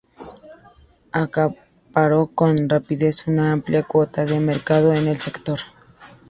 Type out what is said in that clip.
Acaparó con rapidez una amplia cuota de mercado en el sector.